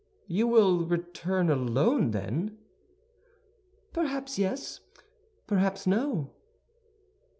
"You will return alone, then?" "Perhaps yes, perhaps no."